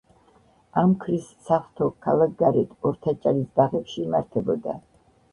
ამქრის საღვთო ქალაქგარეთ, ორთაჭალის ბაღებში იმართებოდა.